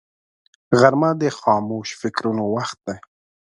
غرمه د خاموش فکرونو وخت دی